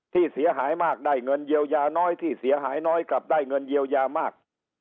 เสียหายมากได้เงินเยียวยาน้อยที่เสียหายน้อยกลับได้เงินเยียวยามาก